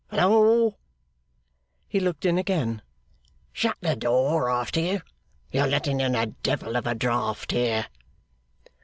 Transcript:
Hallo!' He looked in again. 'Shut the door after you. You're letting in a devil of a draught here!